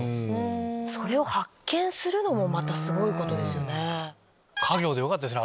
それを発見するのもまたすごいことですよね。